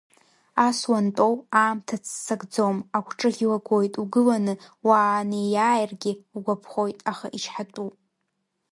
Ас уантәоу, аамҭа ццакӡом, агәҿыӷь уагоит, угыланы уаанеиааиргьы угәаԥхоит, аха ичҳатәуп.